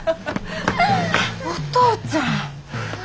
お父ちゃん。